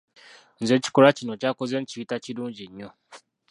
Nze ekikolwa kino ky'akoze nkiyita kirungi nnyo.